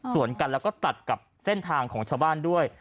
ส่วนกันแล้วก็ตัดกับเส้นทางของชาวบ้านด้วย